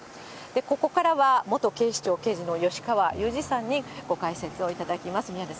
ここからは元警視庁刑事の吉川祐二さんにご解説をいただきます。